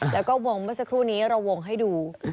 แล้วก็วงเมื่อสักครู่นี้เราวงให้ดู